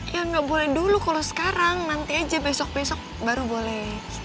ya nggak boleh dulu kalau sekarang nanti aja besok besok baru boleh